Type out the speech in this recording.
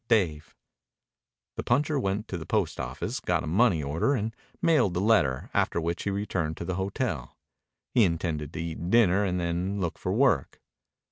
Dave The puncher went to the post office, got a money order, and mailed the letter, after which he returned to the hotel. He intended to eat dinner and then look for work.